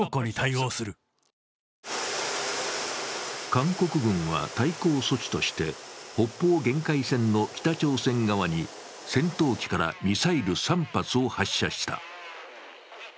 韓国軍は対抗措置として北方限界線の北朝鮮側に戦闘機からミサイル３発を発射した。